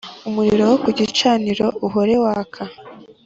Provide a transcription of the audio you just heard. Umuriro wo ku gicaniro uhore waka